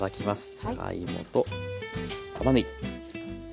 じゃがいもとたまねぎ。